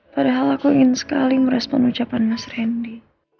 padahal aku ingin sekali merespon ucapan mas randy